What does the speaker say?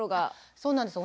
そうなんですよ。